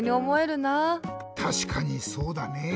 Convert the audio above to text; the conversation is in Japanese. たしかにそうだね。